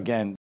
Again.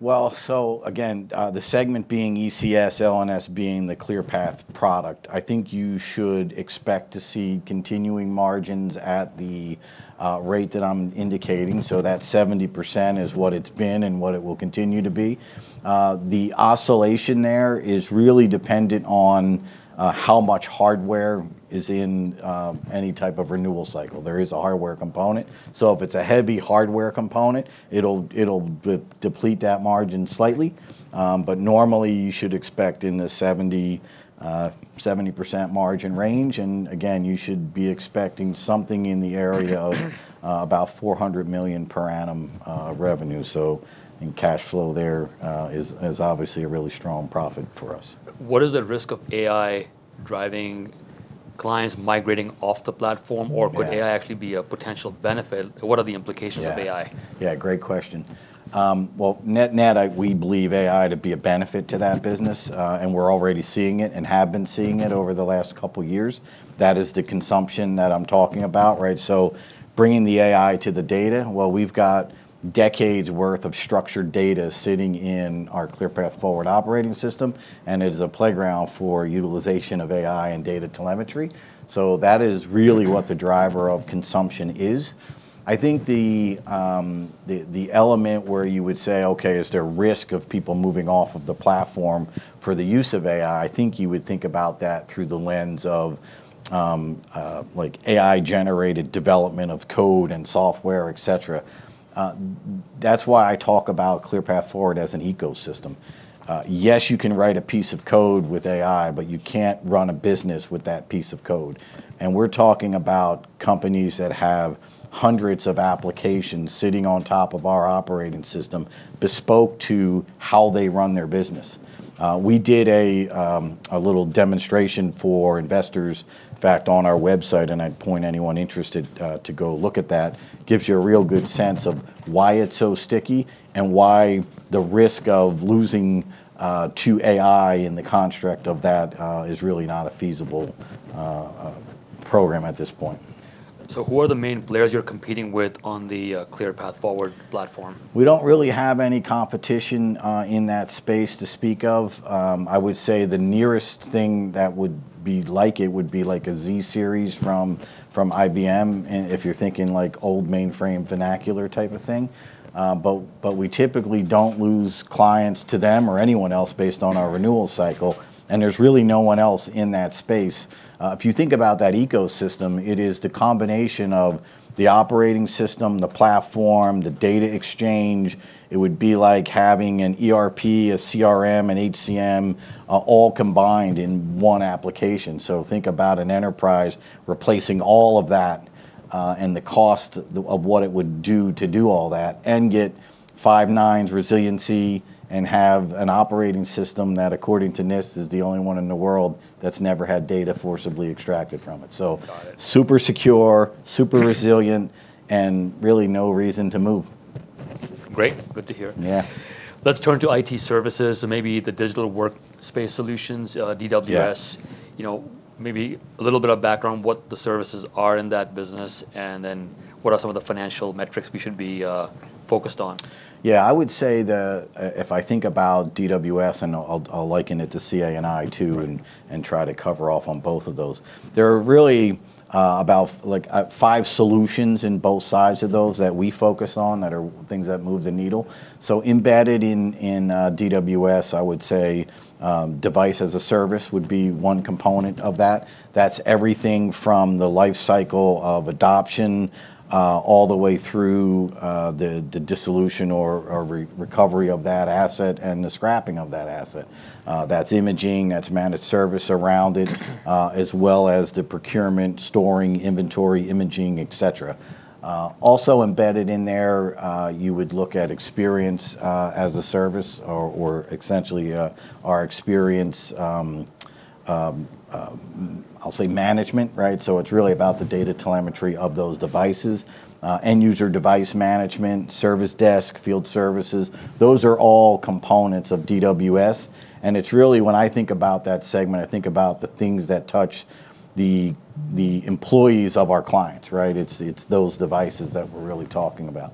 Again, the segment being ECS, L&S being the ClearPath product, I think you should expect to see continuing margins at the rate that I'm indicating. That 70% is what it's been and what it will continue to be. The oscillation there is really dependent on how much hardware is in any type of renewal cycle. There is a hardware component. If it's a heavy hardware component, it'll deplete that margin slightly, but normally you should expect in the 70% margin range. Again, you should be expecting something in the area of about $400 million per annum revenue. Cash flow there is obviously a really strong profit for us. What is the risk of AI driving clients migrating off the platform, or could AI actually be a potential benefit? What are the implications of AI? Yeah, great question. Well, net net, we believe AI to be a benefit to that business. And we're already seeing it and have been seeing it over the last couple of years. That is the consumption that I'm talking about. So bringing the AI to the data, well, we've got decades' worth of structured data sitting in our ClearPath Forward operating system. And it is a playground for utilization of AI and data telemetry. So that is really what the driver of consumption is. I think the element where you would say, OK, is there risk of people moving off of the platform for the use of AI? I think you would think about that through the lens of AI-generated development of code and software, et cetera. That's why I talk about ClearPath Forward as an ecosystem. Yes, you can write a piece of code with AI, but you can't run a business with that piece of code. And we're talking about companies that have hundreds of applications sitting on top of our operating system bespoke to how they run their business. We did a little demonstration for investors, in fact, on our website, and I'd point anyone interested to go look at that. It gives you a real good sense of why it's so sticky and why the risk of losing to AI in the construct of that is really not a feasible program at this point. So who are the main players you're competing with on the ClearPath Forward platform? We don't really have any competition in that space to speak of. I would say the nearest thing that would be like it would be like zSeries from IBM, if you're thinking like old mainframe vernacular type of thing. But we typically don't lose clients to them or anyone else based on our renewal cycle. And there's really no one else in that space. If you think about that ecosystem, it is the combination of the operating system, the platform, the data exchange. It would be like having an ERP, a CRM, an HCM all combined in one application. So think about an enterprise replacing all of that and the cost of what it would do to do all that and get five nines resiliency and have an operating system that, according to NIST, is the only one in the world that's never had data forcibly extracted from it. So super secure, super resilient, and really no reason to move. Great. Good to hear. Yeah. Let's turn to IT services, so maybe the Digital Workplace Solutions, DWS. Maybe a little bit of background on what the services are in that business, and then what are some of the financial metrics we should be focused on? Yeah, I would say that if I think about DWS, and I'll liken it to CA&I too and try to cover off on both of those, there are really about five solutions in both sides of those that we focus on that are things that move the needle. So embedded in DWS, I would say Device as a Service would be one component of that. That's everything from the lifecycle of adoption all the way through the dissolution or recovery of that asset and the scrapping of that asset. That's imaging, that's managed service around it, as well as the procurement, storing, inventory, imaging, et cetera. Also embedded in there, you would look at Experience as a Service or essentially our experience, I'll say, management. So it's really about the data telemetry of those devices. End user device management, service desk, field services, those are all components of DWS. And it's really when I think about that segment, I think about the things that touch the employees of our clients. It's those devices that we're really talking about.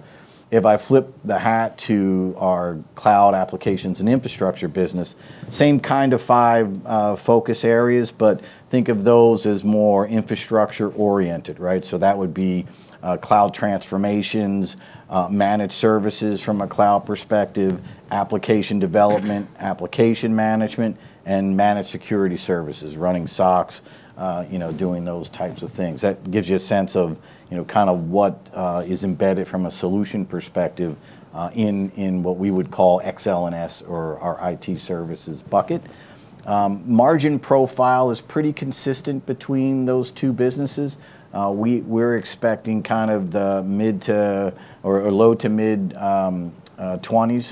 If I flip the hat to our Cloud, Applications & Infrastructure business, same kind of five focus areas, but think of those as more infrastructure oriented. So that would be cloud transformations, managed services from a cloud perspective, application development, application management, and managed security services, running SOCs, doing those types of things. That gives you a sense of kind of what is embedded from a solution perspective in what we would call Ex-L&S or our IT services bucket. Margin profile is pretty consistent between those two businesses. We're expecting kind of the mid-20s or low- to mid-20s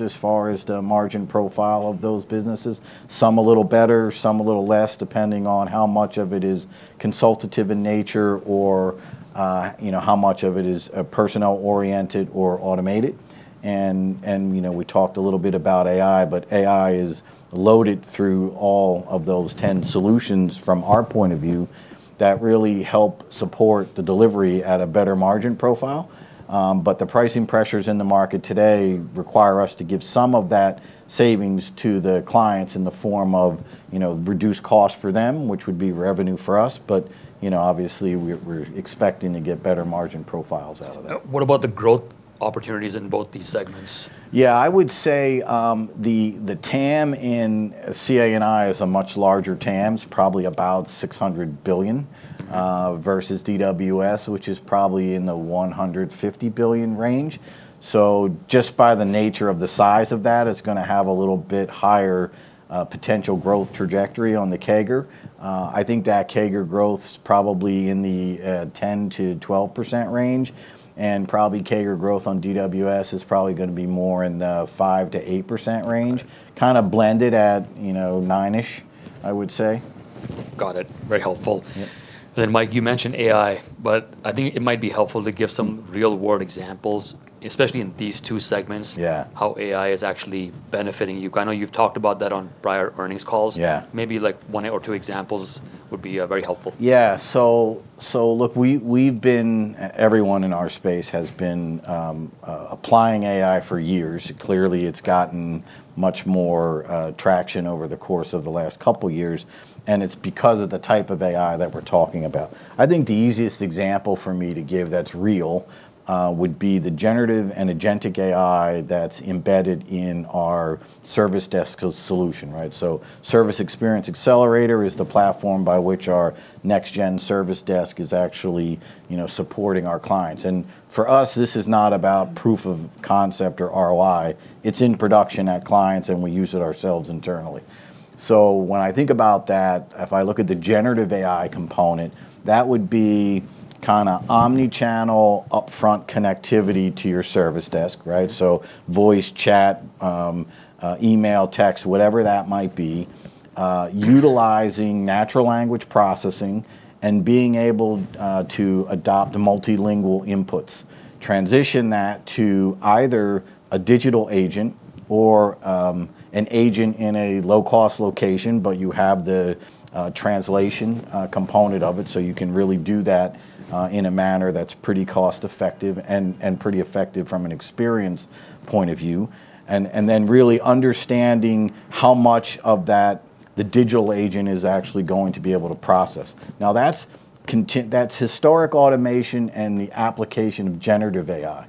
as far as the margin profile of those businesses. Some a little better, some a little less, depending on how much of it is consultative in nature or how much of it is personnel oriented or automated. And we talked a little bit about AI, but AI is loaded through all of those 10 solutions from our point of view that really help support the delivery at a better margin profile. But the pricing pressures in the market today require us to give some of that savings to the clients in the form of reduced cost for them, which would be revenue for us. But obviously, we're expecting to get better margin profiles out of that. What about the growth opportunities in both these segments? Yeah, I would say the TAM in CA&I is a much larger TAM, probably about $600 billion versus DWS, which is probably in the $150 billion range. So just by the nature of the size of that, it's going to have a little bit higher potential growth trajectory on the CAGR. I think that CAGR growth is probably in the 10%-12% range. And probably CAGR growth on DWS is probably going to be more in the 5%-8% range, kind of blended at 9-ish, I would say. Got it. Very helpful. Then, Mike, you mentioned AI, but I think it might be helpful to give some real-world examples, especially in these two segments, how AI is actually benefiting you. I know you've talked about that on prior earnings calls. Maybe one or two examples would be very helpful. Yeah. So look, we and everyone in our space has been applying AI for years. Clearly, it's gotten much more traction over the course of the last couple of years. And it's because of the type of AI that we're talking about. I think the easiest example for me to give that's real would be the Generative and Agentic AI that's embedded in our service desk solution. So Service Experience Accelerator is the platform by which our next-gen service desk is actually supporting our clients. And for us, this is not about proof of concept or ROI. It's in production at clients, and we use it ourselves internally. So when I think about that, if I look at the Generative AI component, that would be kind of omnichannel upfront connectivity to your service desk. So voice, chat, email, text, whatever that might be, utilizing natural language processing and being able to adopt multilingual inputs, transition that to either a digital agent or an agent in a low-cost location, but you have the translation component of it. So you can really do that in a manner that's pretty cost-effective and pretty effective from an experience point of view. And then really understanding how much of that the digital agent is actually going to be able to process. Now, that's historic automation and the application of Generative AI.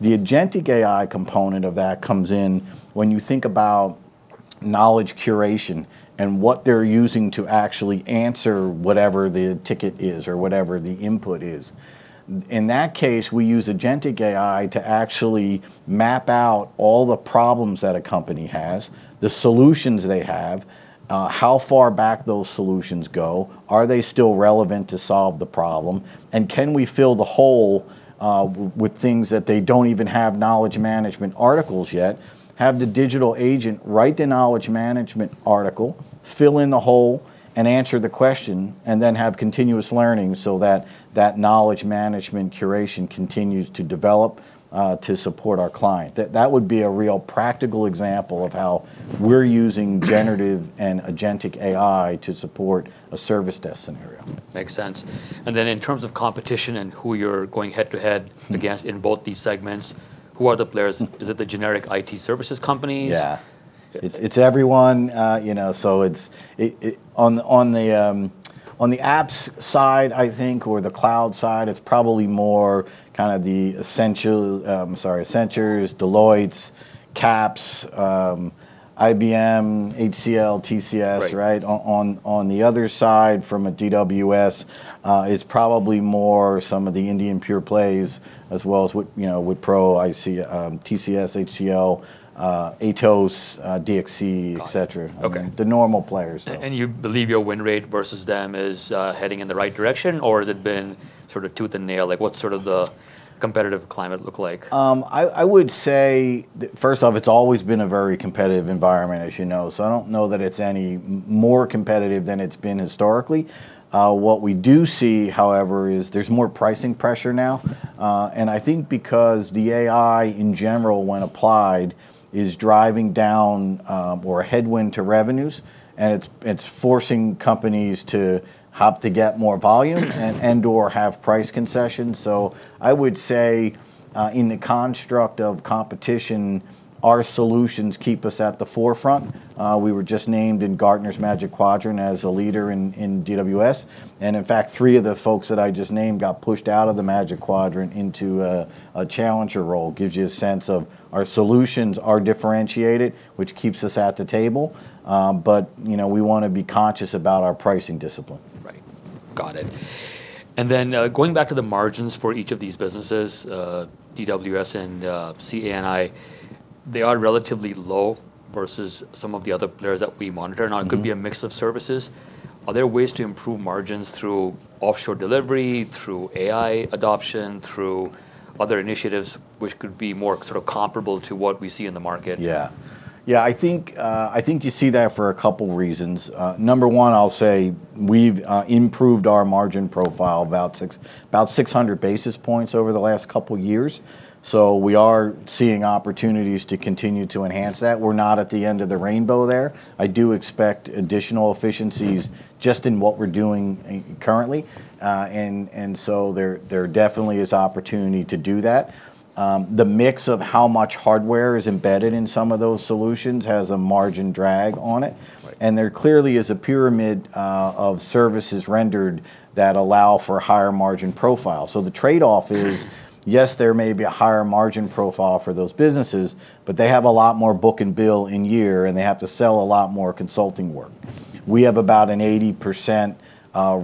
The Agentic AI component of that comes in when you think about knowledge curation and what they're using to actually answer whatever the ticket is or whatever the input is. In that case, we use agentic AI to actually map out all the problems that a company has, the solutions they have, how far back those solutions go, are they still relevant to solve the problem, and can we fill the hole with things that they don't even have knowledge management articles yet, have the digital agent write the knowledge management article, fill in the hole, and answer the question, and then have continuous learning so that that knowledge management curation continues to develop to support our client. That would be a real practical example of how we're using Generative and Agentic AI to support a service desk scenario. Makes sense. And then in terms of competition and who you're going head to head against in both these segments, who are the players? Is it the generic IT services companies? Yeah. It's everyone. So on the apps side, I think, or the cloud side, it's probably more kind of the Accenture, Deloitte, CAPS, IBM, HCL, TCS. On the other side from a DWS, it's probably more some of the Indian pure plays, as well as Wipro, TCS, HCL, Atos, DXC, et cetera. The normal players. You believe your win rate versus them is heading in the right direction, or has it been sort of tooth and nail? What's sort of the competitive climate look like? I would say, first off, it's always been a very competitive environment, as you know. So I don't know that it's any more competitive than it's been historically. What we do see, however, is there's more pricing pressure now. And I think because the AI in general, when applied, is driving down, or a headwind to revenues, and it's forcing companies to have to get more volume and/or have price concessions. So I would say in the construct of competition, our solutions keep us at the forefront. We were just named in Gartner's Magic Quadrant as a leader in DWS. And in fact, three of the folks that I just named got pushed out of the Magic Quadrant into a challenger role. It gives you a sense of our solutions are differentiated, which keeps us at the table. But we want to be conscious about our pricing discipline. Right. Got it. And then going back to the margins for each of these businesses, DWS and CA&I, they are relatively low versus some of the other players that we monitor. Now, it could be a mix of services. Are there ways to improve margins through offshore delivery, through AI adoption, through other initiatives, which could be more sort of comparable to what we see in the market? Yeah. Yeah, I think you see that for a couple of reasons. Number one, I'll say we've improved our margin profile about 600 basis points over the last couple of years. So we are seeing opportunities to continue to enhance that. We're not at the end of the rainbow there. I do expect additional efficiencies just in what we're doing currently, and so there definitely is opportunity to do that. The mix of how much hardware is embedded in some of those solutions has a margin drag on it, and there clearly is a pyramid of services rendered that allow for higher margin profiles, so the trade-off is, yes, there may be a higher margin profile for those businesses, but they have a lot more book and bill in year, and they have to sell a lot more consulting work. We have about an 80%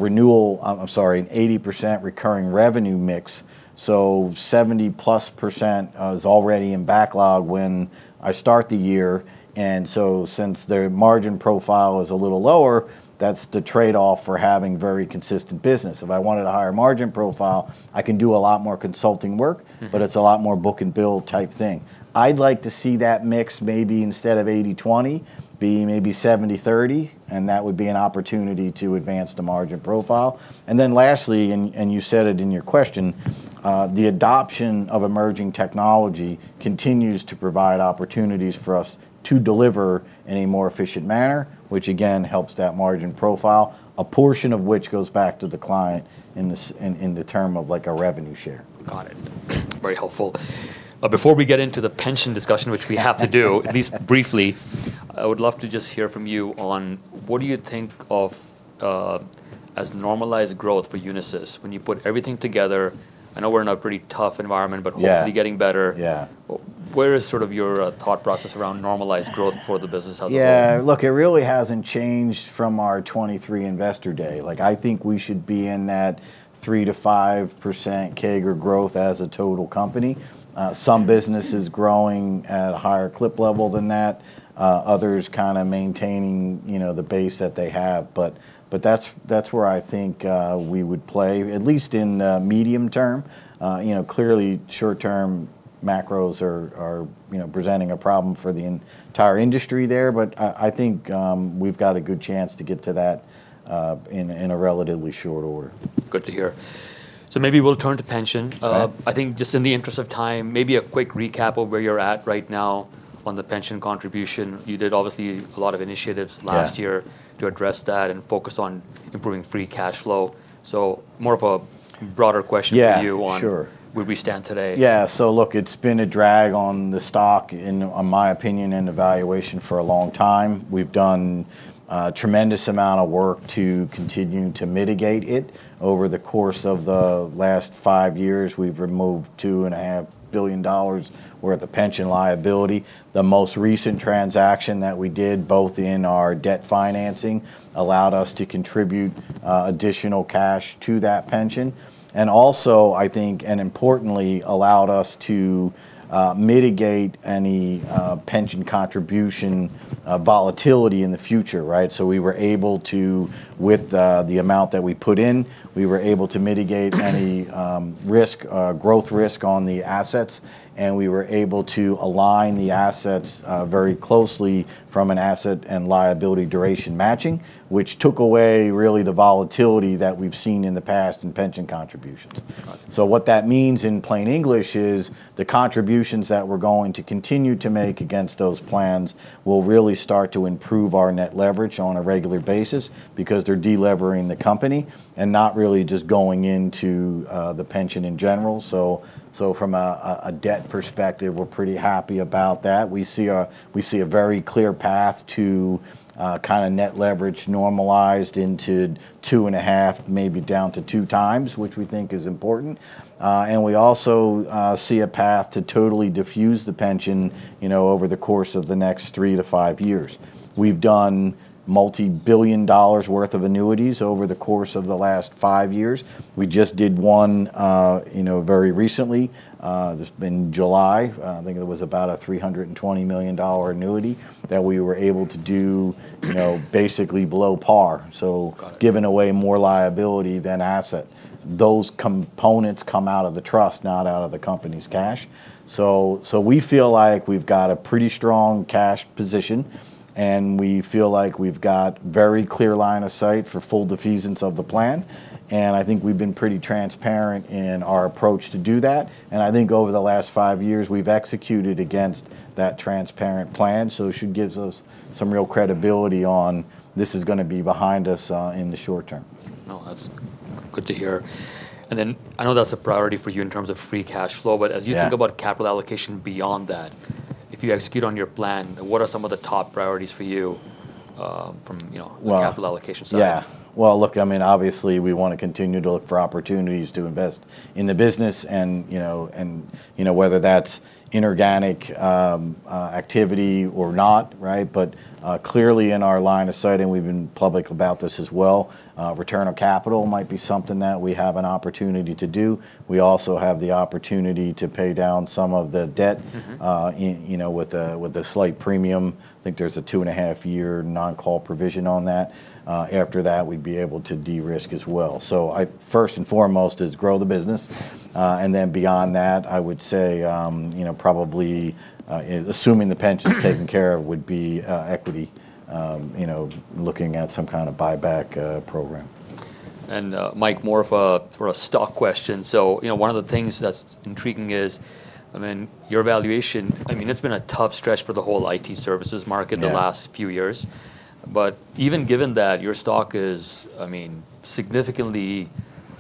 renewal. I'm sorry, an 80% recurring revenue mix, so 70% plus is already in backlog when I start the year, and so since the margin profile is a little lower, that's the trade-off for having very consistent business. If I wanted a higher margin profile, I can do a lot more consulting work, but it's a lot more book and bill type thing. I'd like to see that mix maybe instead of 80/20 be maybe 70/30, and that would be an opportunity to advance the margin profile, and then lastly, and you said it in your question, the adoption of emerging technology continues to provide opportunities for us to deliver in a more efficient manner, which again helps that margin profile, a portion of which goes back to the client in the term of a revenue share. Got it. Very helpful. Before we get into the pension discussion, which we have to do, at least briefly, I would love to just hear from you on what do you think of as normalized growth for Unisys when you put everything together? I know we're in a pretty tough environment, but hopefully getting better. Where is sort of your thought process around normalized growth for the business as a whole? Yeah. Look, it really hasn't changed from our 2023 Investor Day. I think we should be in that 3%-5% CAGR growth as a total company. Some businesses growing at a higher clip level than that. Others kind of maintaining the base that they have. But that's where I think we would play, at least in the medium term. Clearly, short-term macros are presenting a problem for the entire industry there. But I think we've got a good chance to get to that in a relatively short order. Good to hear. So maybe we'll turn to pension. I think just in the interest of time, maybe a quick recap of where you're at right now on the pension contribution. You did obviously a lot of initiatives last year to address that and focus on improving free cash flow. So more of a broader question for you on where we stand today. Yeah. So look, it's been a drag on the stock, in my opinion, and valuation for a long time. We've done a tremendous amount of work to continue to mitigate it. Over the course of the last five years, we've removed $2.5 billion worth of pension liability. The most recent transaction that we did, both in our debt financing, allowed us to contribute additional cash to that pension. And also, I think, and importantly, allowed us to mitigate any pension contribution volatility in the future. So we were able to, with the amount that we put in, we were able to mitigate any growth risk on the assets. And we were able to align the assets very closely from an asset and liability duration matching, which took away really the volatility that we've seen in the past in pension contributions. So what that means in plain English is the contributions that we're going to continue to make against those plans will really start to improve our net leverage on a regular basis because they're delevering the company and not really just going into the pension in general. So from a debt perspective, we're pretty happy about that. We see a very clear path to kind of net leverage normalized into 2.5, maybe down to 2 times, which we think is important. And we also see a path to totally defuse the pension over the course of the next three to five years. We've done multi-billion dollars worth of annuities over the course of the last five years. We just did one very recently. This was in July. I think it was about a $320 million annuity that we were able to do basically below par, so giving away more liability than asset. Those components come out of the trust, not out of the company's cash. So we feel like we've got a pretty strong cash position, and we feel like we've got a very clear line of sight for full defeasance of the plan. And I think we've been pretty transparent in our approach to do that. And I think over the last five years, we've executed against that transparent plan. So it should give us some real credibility on this is going to be behind us in the short term. That's good to hear. I know that's a priority for you in terms of free cash flow. As you think about capital allocation beyond that, if you execute on your plan, what are some of the top priorities for you from the capital allocation side? Yeah. Well, look, I mean, obviously, we want to continue to look for opportunities to invest in the business, whether that's inorganic activity or not. But clearly, in our line of sight, and we've been public about this as well, return of capital might be something that we have an opportunity to do. We also have the opportunity to pay down some of the debt with a slight premium. I think there's a 2.5-year non-call provision on that. After that, we'd be able to de-risk as well. So first and foremost is grow the business. And then beyond that, I would say probably assuming the pension's taken care of would be equity, looking at some kind of buyback program. Mike, more of a stock question. So one of the things that's intriguing is, I mean, your valuation, I mean, it's been a tough stretch for the whole IT services market the last few years. But even given that, your stock is significantly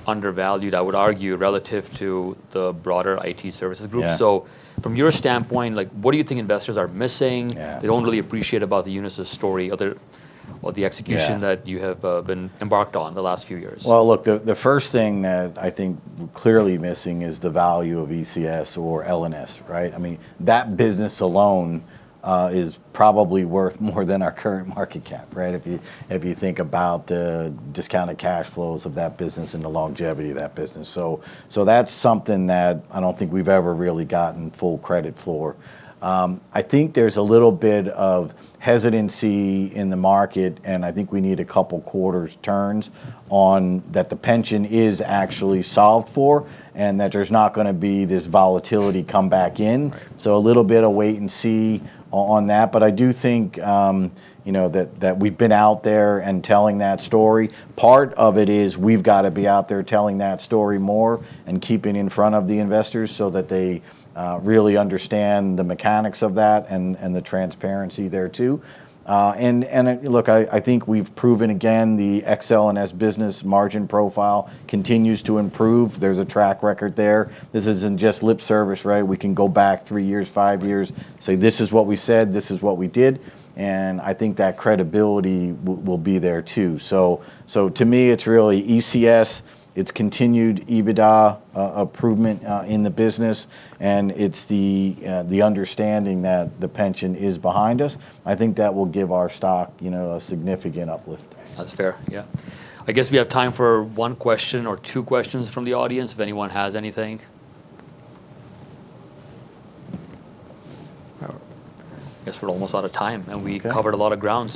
undervalued, I would argue, relative to the broader IT services group. So from your standpoint, what do you think investors are missing? They don't really appreciate about the Unisys story, the execution that you have been embarked on the last few years. Look, the first thing that I think we're clearly missing is the value of ECS or L&S. I mean, that business alone is probably worth more than our current market cap, if you think about the discounted cash flows of that business and the longevity of that business. So that's something that I don't think we've ever really gotten full credit for. I think there's a little bit of hesitancy in the market, and I think we need a couple of quarters' turns on that the pension is actually solved for and that there's not going to be this volatility come back in. So a little bit of wait and see on that. But I do think that we've been out there and telling that story. Part of it is we've got to be out there telling that story more and keeping in front of the investors so that they really understand the mechanics of that and the transparency there too. And look, I think we've proven again the Ex-L&S business margin profile continues to improve. There's a track record there. This isn't just lip service. We can go back three years, five years, say, "This is what we said. This is what we did." And I think that credibility will be there too. So to me, it's really ECS. It's continued EBITDA improvement in the business. And it's the understanding that the pension is behind us. I think that will give our stock a significant uplift. That's fair. Yeah. I guess we have time for one question or two questions from the audience, if anyone has anything. I guess we're almost out of time, and we covered a lot of ground.